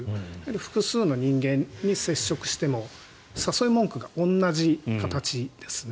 複数の人間に接触しても誘い文句が同じ形ですね。